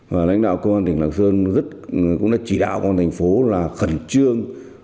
và lãnh đạo công an tỉnh lạng sơn cũng đã chỉ đạo công an thành phố là khẩn trương